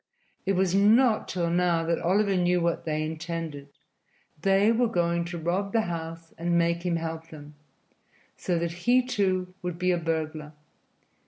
It was not till now that Oliver knew what they intended that they were going to rob the house and make him help them, so that he, too, would be a burglar.